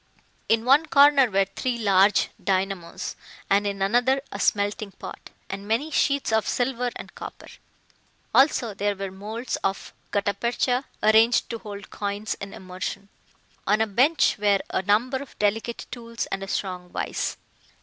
In one corner were three large dynamos, and in another a smelting pot, and many sheets of silver and copper. Also, there were moulds of gutta percha arranged to hold coins in immersion. On a bench were a number of delicate tools and a strong vice.